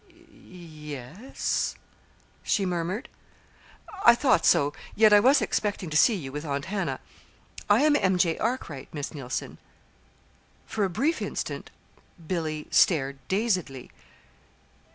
"Y yes," she murmured. "I thought so yet I was expecting to see you with Aunt Hannah. I am M. J. Arkwright, Miss Neilson." For a brief instant Billy stared dazedly.